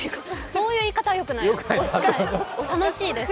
そういう言い方はよくないです。